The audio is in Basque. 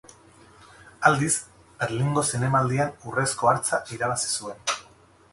Aldiz, Berlingo Zinemaldian Urrezko Hartza irabazi zuen.